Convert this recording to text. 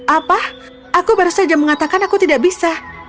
apa aku baru saja mengatakan aku tidak bisa